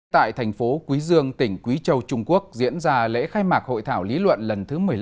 tại thành phố quý dương tỉnh quý châu trung quốc diễn ra lễ khai mạc hội thảo lý luận lần thứ một mươi năm